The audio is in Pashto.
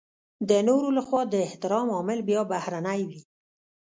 د نورو لخوا د احترام عامل بيا بهرنی وي.